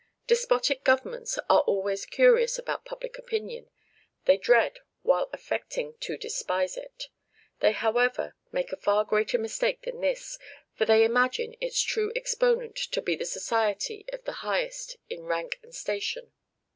Despotic governments are always curious about public opinion; they dread while affecting to despise it. They, however, make a far greater mistake than this, for they imagine its true exponent to be the society of the highest in rank and station.